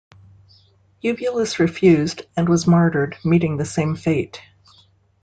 Eubulus refused, and was martyred, meeting the same fate.